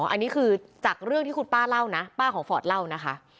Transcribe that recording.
อันนี้คือจากเรื่องที่คุณป้าเล่านะป้าของฟอร์ดเล่านะคะ